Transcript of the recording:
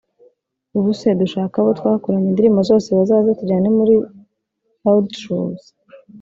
Ubuse dushake abo twakoranye indirimbo bose baze tujyane muri Raodshows